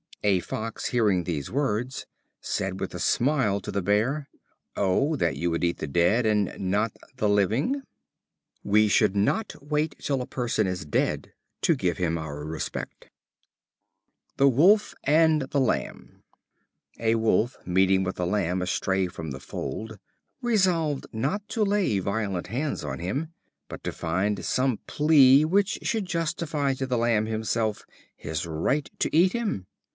A Fox hearing these words said with a smile to the Bear: "Oh, that you would eat the dead and not the living!" We should not wait till a person is dead, to give him our respect. The Wolf and the Lamb. A Wolf, meeting with a Lamb astray from the fold, resolved not to lay violent hands on him, but to find some plea, which should justify to the Lamb himself his right to eat him.